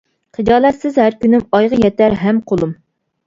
خىجالەتسىز ھەر كۈنۈم، ئايغا يېتەر ھەم قولۇم.